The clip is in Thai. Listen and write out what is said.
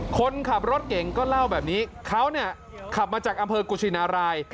คนขับรถเก่งก็เล่าแบบนี้เขาเนี่ยขับมาจากอำเภอกุชินาราย